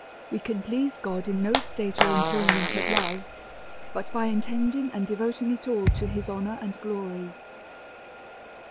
We can please God in no state or emploi/ment of Life, but by intending and devoting it all to his Honour and Glory.